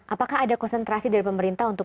apakah ada konsentrasi dari pemerintah untuk